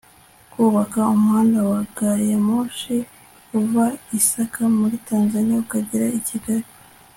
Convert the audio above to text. kubaka umuhanda wa gari ya moshi uva isaka muri tanzaniya ukagera i kigali